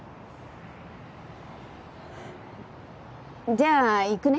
じゃあ行くね。